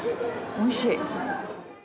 おいしい。